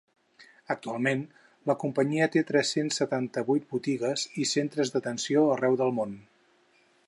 Actualment la companyia té tres-cents setanta-vuit botigues i centres d’atenció arreu del món.